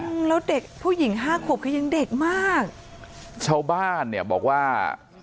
อืมแล้วเด็กผู้หญิงห้าขวบคือยังเด็กมากชาวบ้านเนี่ยบอกว่า